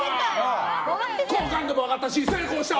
好感度も上がったし成功した！